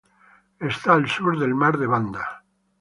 Está al sur del mar de Banda.